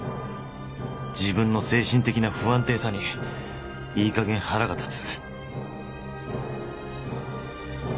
自分の精神的な不安定さにいいかげん腹が立つ